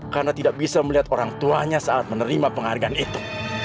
karena tidak bisa melihat orang tuanya saat menerima penghargaan itu